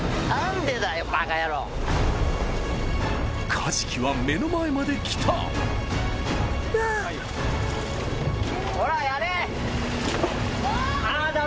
カジキは目の前まで来たほらやれ！